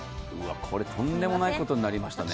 これとんでもないことになりましたね。